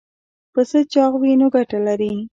پسه چاغ وي نو ګټه لري.